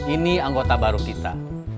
ini anggota baru kita